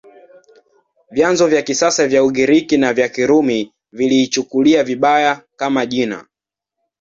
Vyanzo vya kisasa vya Ugiriki na vya Kirumi viliichukulia vibaya, kama jina.